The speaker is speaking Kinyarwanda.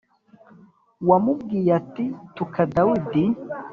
wamubwiye ati Tuka Dawidi